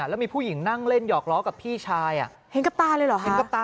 แล้วมีผู้หญิงนั่งเล่นหยอกล้อกับพี่ชายเห็นกับตาเลยเหรอเห็นกับตา